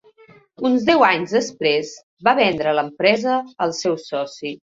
Uns deu anys després, va vendre l'empresa al seu soci.